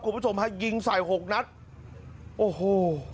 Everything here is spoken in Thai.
คุณผู้ชมภาคยิงใส่๖นัทโอ้โฮ